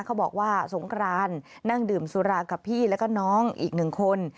เขาบอกว่าสงครานนั่งดื่มสุรากับพี่แล้วก็น้องอีกหนึ่งคน